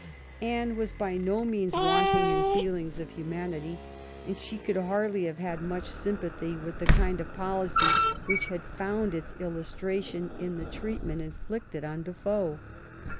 Anne was by no means wanting in feelings of hu manity, and she could hardly have had much sympathy with the kind of policy which had found its illustra tion in the treatment inflicted oh Defoe.